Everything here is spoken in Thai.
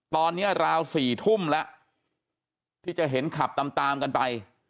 ตอนนี้ราว๔ทุ่มแล้วที่จะเห็นขับตามตามกันไป